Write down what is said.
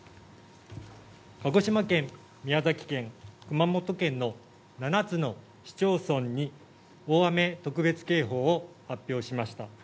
鹿児島県、宮崎県、熊本県の７つの市町村に大雨特別警報を発表しました。